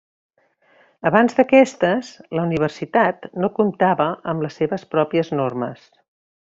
Abans d'aquestes, la universitat no comptava amb les seves pròpies normes.